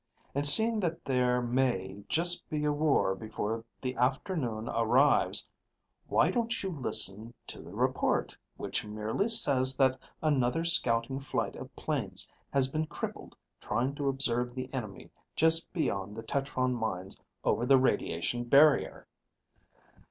"And seeing that there may just be a war before the afternoon arrives, why don't you listen to the report, which merely says that another scouting flight of planes has been crippled trying to observe the enemy just beyond the tetron mines over the radiation barrier."